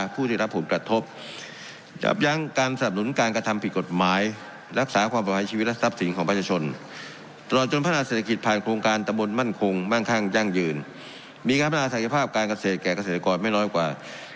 มีคำนาญาศักยภาพการเกี่ยวกับกวนไม่น้อยกว่า